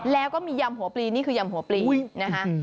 แล้วก็มียำหัวปลีนี่คือยำหัวปลีนะคะ